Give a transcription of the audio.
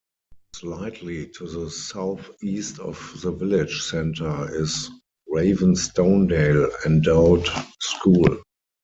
Slightly to the south east of the village centre is Ravenstonedale Endowed School.